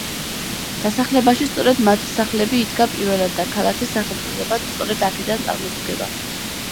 დასახლებაში სწორედ მათი სახლები იდგა პირველად და ქალაქის სახელწოდებაც სწორედ აქედან წარმოსდგება.